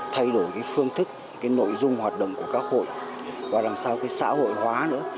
thay đổi phương thức nội dung hoạt động của các hội và làm sao xã hội hóa nữa